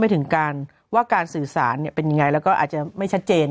ถึงการว่าการสื่อสารเป็นยังไงแล้วก็อาจจะไม่ชัดเจน